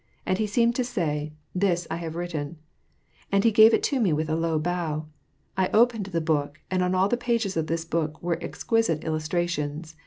i And he seemed to say, *^ This 1 have written." And he gave it to me with a low bow. I opened the book, and on all the pages of this book were exquisite illustrations.